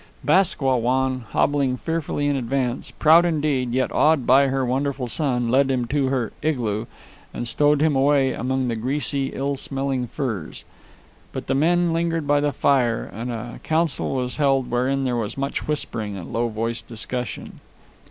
Bask Wah Wan, hobbling fearfully in advance, proud indeed, yet awed by her wonderful son, led him to her igloo and stowed him away among the greasy, ill smelling furs. But the men lingered by the fire, and a council was held wherein was there much whispering and low voiced discussion.